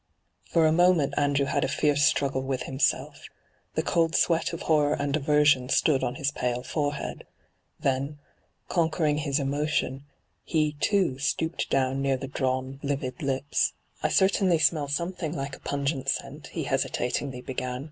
For a moment Andrew had a fierce struggle with himself. The cold sweat of horror and aversion stood on his pale forehead. Then, conquering his emotion, he, too, stooped down near the drawn, livid lips. ' I certainly smell something like a pungent scent,* he hesitatingly began.